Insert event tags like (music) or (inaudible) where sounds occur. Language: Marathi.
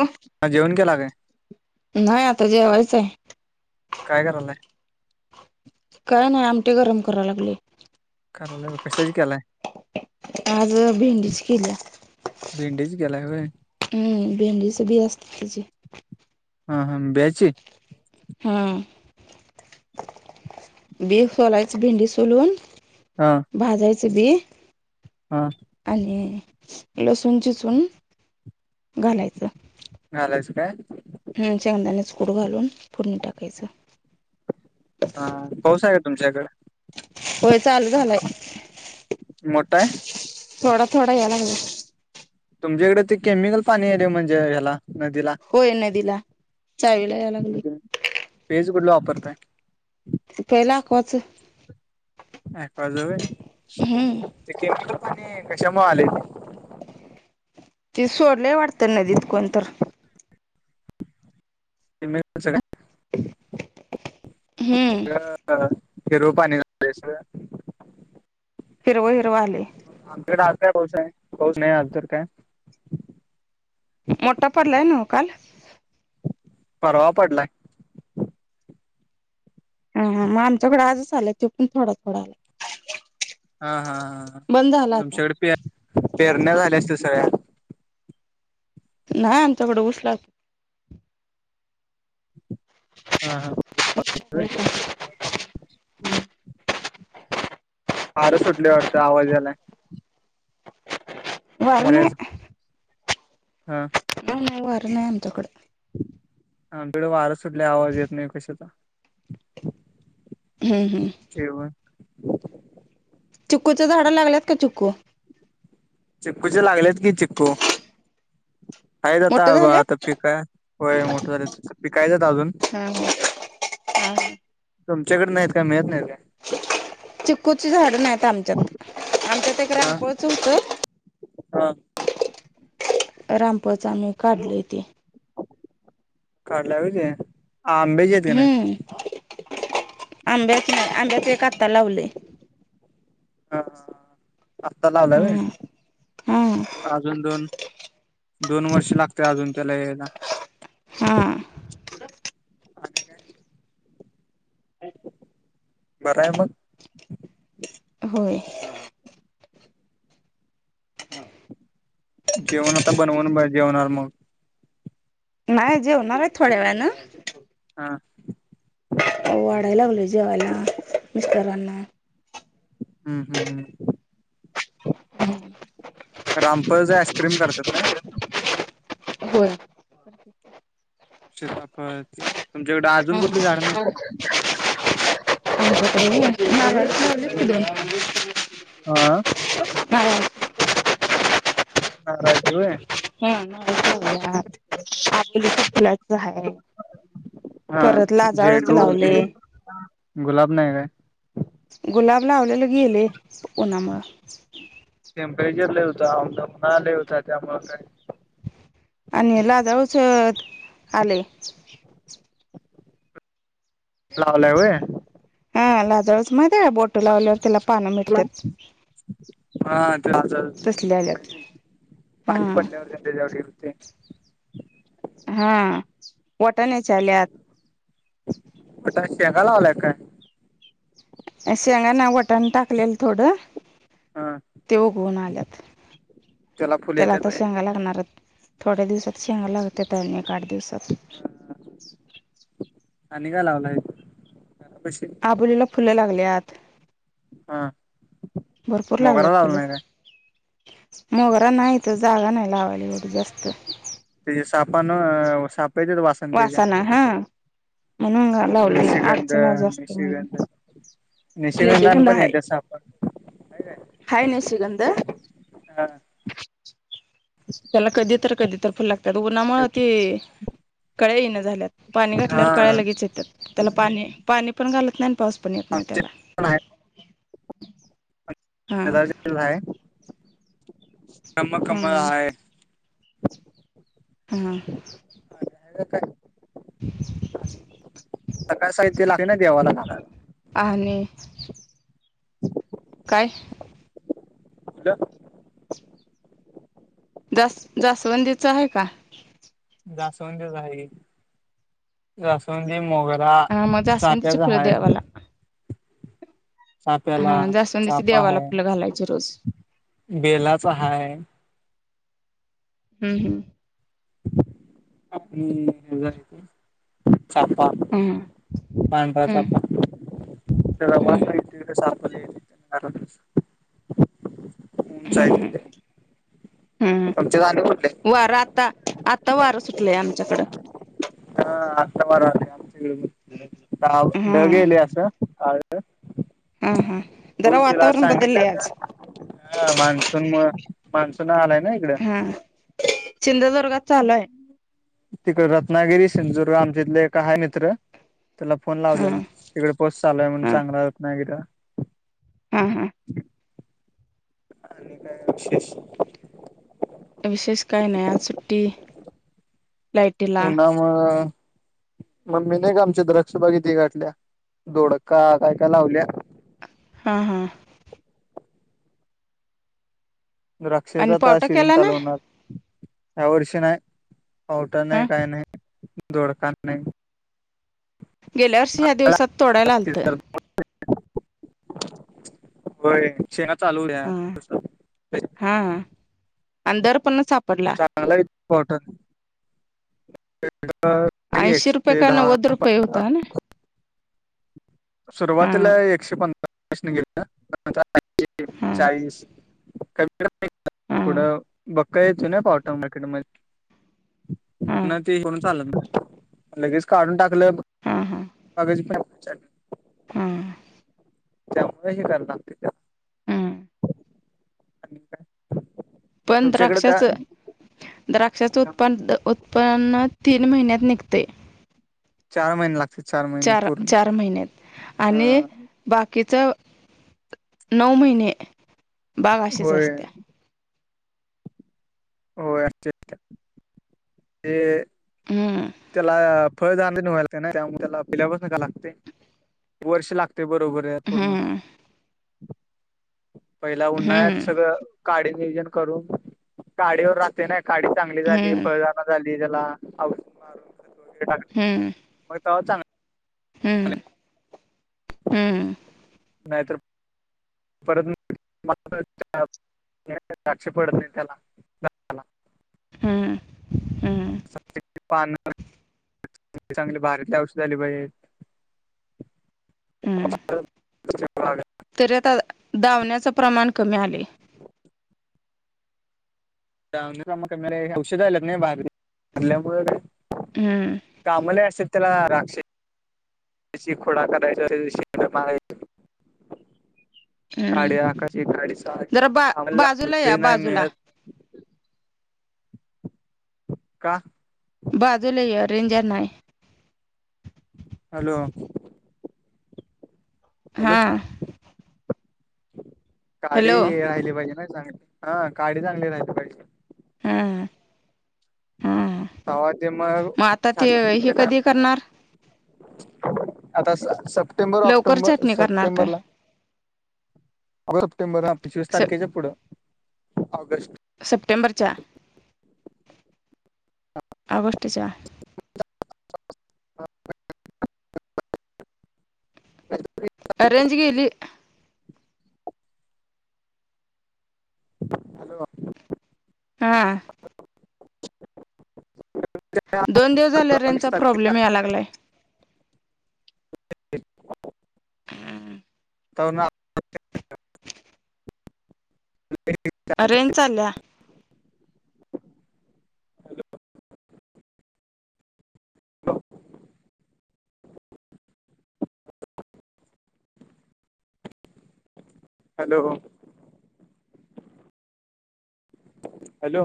अ हा जेवन केला काय नाही आता जेवायचं आहे काय करायलाय काय नाही आमटे गरम करा लागले कारराला कशाच केलाय आज भेंडीच किल्ला भिंडेज केला ह् भिंडी स भी असस् तची हा हां ब्याची हा बेी खलायचं भिंडी सून हा भाजयचे बी हा आणि लसूण चिचून घालायचं नलस काय हम् चांगदानेच कुड घालून पुूडणी टाकायचं पाऊसा आहे का तुमच्याकड होय चालू झालाय मोठा आहे थोडा थोडा या लागला तुमच्या इकडे ते केमिकल पाणी आहे म्हणजे ह्याला नदीला होय न दिला चावी ला या लागली पेज कुठला वापरतय पहिलाकवाचं ह कवे हां ते केमी प कशाम आले ति सोडले वाटत ना तथकण तर म सग हम्म सगळ ह हिरो पाणी झास हिरव हिरवाले आमच्याकडे आय पाौस आहे कौस नाही आ तर काय मोठा पडलाय न काल परवा पडलाय हा मग आमच्याकडे आजच आलय तो पण थोडा थोडा आला हा हा हा तुमच्याकडे पे पेरण्या झाल्या असते सगळ्या नाही आमच्याकडें उसला हा हा होय. हो का फार सुटले वाटतं आवाजाला वण वाऱ्याचा हा ह ना वर नाही आमच्याकडं हा बेड वारं सुटल्या आवाज येत नाही कशाचा हम् हम्म व चुकूच्यां झाडं लागल्यात का चुकू चिक्कूचे लागलेत की चिक्कू काचाता मोठं आता झाल्यात पीक आहे वय मोठं झाले पिकायचात अजून हा हा हा. तुमच्याकडे नाहीत का मिळत नाही का? चिककूची झाडं नाही आहेत आमच्यात आमच्यात एक हा रांगोळ च होत. हा राांपचम्ही काढली तेी कार्ड लावचे आंबे. हम्म आंब्याच नाही आंब्याच एक आता लावले. ह आत्ता लावला हम्म हा का अजून दोन दोन वर्ष लागते अजून त्याला यायला हा. आणि काय बरं आहे मग होय. जेवण आता बनवून ब जेवणार मग नाही जेवणार आहे थोड्या वेळाानं हा. वाढायला लागले जेवायला मिस्टरांना हम्म हम् हम्म. हम्. रामपर ज आईस्क्रीम करतात ना. होय (unintelligible) शपापती तुमच्याकडे हा अजून कुठली झाड नाही. हा (unintelligible) हा राजीवे ह आहे फुलाच आहे. हा परत लाजाळूच झेंडू लावले. बोलते. गुलाब नाही काय? गुलाब लावलेलं गेले उमुळं टेम्परेचर ललेवता आम ना लेवता त्यामुळे काय? आणि लाज षध आले. लावला आहे. हा लादळस मध्ये बोट लावल्यावर त्याला पानं मिटतेात. हा चल चालते तसले मा आल्यात हा पाणी पडल्यावर संध्याच्यावर ये होते. हा वटण ल्यात पटाशया का लावलाय काय? शेंगा ना वटाण टाकलेल थोडं. हा ते उघवून आल्यात फुले त्याला येत्यात आता होय शांगा लागणार. आहेत थोड्या दिवसात शेगा लागते अन एक आठ दिवसात आणि का लावलाय कशी? आबोलीला फुलं लागल्यात हा भरपूर मोगरा लागल्यात लावला फुलं नाही काय मोगरा नाही तर जागा नाही लावायली एवढी जास्त ते सापान साप येत वा. वासना हा म्हणून लाव निशिगंध अडचण जास्त म्हणय. निशिगंध निशिगंधान पण आहे तसं आपण हा नाही शिगंध हा त्याला कधी तर कधी तर फुल लागतात उन्हामुळ त कळे येन झाल्यात. पाणी घातल्यावर कळ्या हा लगेच येतात त्याला पाणी पाणी पण घालत नाही पाऊस पण येत नाही त्याला पण आहे हा कम कमल हा हय. हां. अ ह काय? सकाळ साह्य लागते ना देवाला खला आणि ह काय कला जास जास्वंदीचं आहे का जाासवंतच आहे जाासवंंद मोगल तुला हा मग जास्वंदीची चाक्याचा फुलं हाय देवाला चाप्याला चापा है घालायचो रोज बेलाचा हाय हम् हम् हेय छपा हम्म पांढराचा हम्म आप हम्म उचचाय हम्म हम्म आुमचे गाणे कुठले वार आता आता वारं सुटलंय आमच्याकडं हा आता मार आम हम्म ढगेले असं हम्म हम्म जरा होशलाज वातावरण सांगितलं बदललंय का आज हा मान्सून म मान्सून आलाय ना इकडे हा सिंधुदुर्गात चालूय तिकड रत्नागिरी सिंधुदुर्ग आमच्या इथले एक आहे मित्र तुला फोन हा लावलेला तिकडे पोस चालूय म्हण चांगला होत ना किं हां हां आणि काय विशेष विशेष काही नया चुट्टी पु नाम मम् ममी नाही का आमच्या द्रक्ष बागिती गाठल्या धोडका काय काय लावल्या हां हां आणि द्रक्षचा तर पावटा सीझन केला ना चालू होणार ह्या वर्षी नाही वट हा नाही काही नाही दोडख नाही गेल्यार्षी ह्या दिवसात तोडायला लालतं होय शेंगा चालू उ हा हा अ दर पण सापडला चलापॉटं ह ऐंशी रुपय काय वोद रुपय होत ना हा सुरुवातीला एकशे पंधरा निघेले हा चाळीस कमी हा थोडं बका याेत ना पावटा मार्केट म म्ह हा ना ते होन चालं ना लगेच काढून टाकलंग हा हा प हा त्याच्यामुळे ह करणार तिच्या हम्म आणि काय तुमच्याकडे जा पंध्रशच द्राक्षाचे उत्पन्न तीन महिन्यात निघते चार महिने लागात चार चार महिन्यात अ आणि बाकीचा नऊ महिने बागाशीच होय असते हो अस ते हम त्याला फळदार मि ना त्यामुळे त्याला पिलापच नका लागते वर्ष लागते ते बरोबर आहे पूर्ण हम्म पहिला उन्हाळत हम्म सगळं काडी नियोजन करून काढवर राहते नाही कााडी चांगली झाली हम्म फळदारा झाली त्याला औष मारूना हम्म मग त्हाांग हम् नाहीतर परत दक्ष पडत नाही त्याला हां पान चांगले भारीले औषध आले पाहिजे हम्म तरी आता धावण्याचं प्रमाण कमी आले जा का मला औषध आत नाही बा भरल्यामुळे हम्म कामल अससितला राक्षस त्या खोड करायचा श माराय हम्म गाडी आकाशी गाडी जरा बा सारी्हाला बाजूला लागळी या नाही बाजूला मिळत काहा बाजूला य रेंजर नाही हॅलो हॅलो हा काडी हॅलो राहिली पाहिजे ना चांगली हा काडी चांगली राहिली पाहिजे हम्म हम् तवा ते मग आता ते हे साखरीच्या कधी टायमात करणार आता सप्टेंबर लवकर ऑक्टोंबर छाटणी करणार काय सप्टेंबर ला सप्टेंबर हा पंचवीस स तारखेच्या पुढं ऑगस्ट सप्टेंबरच्या ऑगस्टच्या (inaudible) अ अरेंज केली हॅलो हा दोन दिवस झाल्या बावीस त्यांचा तारखे प्रॉब्लेम या लागलाय हा तर ना ररेंज चालल्या हो हॅलो हॅलो